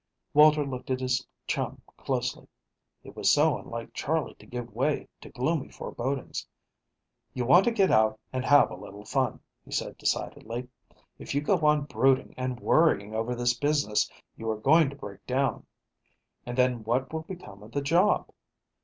Walter looked at his chum closely. It was so unlike Charley to give way to gloomy forebodings. "You want to get out and have a little fun," he said decidedly. "If you keep on brooding and worrying over this business, you are going to break down, and then what will become of the job?